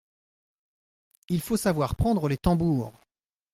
Il faut savoir prendre les tambours !…